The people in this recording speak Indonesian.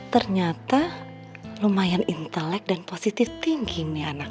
ternyata lumayan intelek dan positif tinggi nih anak